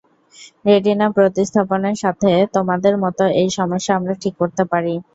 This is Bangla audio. রেটিনা প্রতিস্থাপন সাথে তোমার মতো এই সমস্যা আমরা ঠিক করতে পারি।